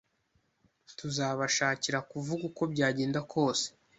Tuzabashakira kuvuga uko byagenda kose.